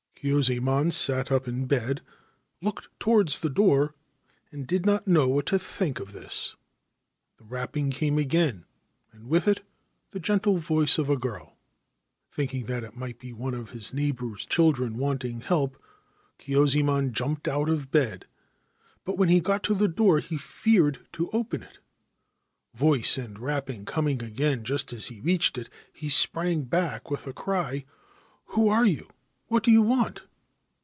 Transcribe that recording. Kyuzaemon sat up in bed, looked towards the door, and did not know what to think of this. The rapping came again, and with it the gentle voice of a girl. Thinking that it might be one of his neighbour's children wanting help, Kyuzaemon jumped out of bed ; but when he got to the door he feared to open it. Voice and rapping coming again just as he reached it, he sprang back with a cry : 4 Who are you ? What do you want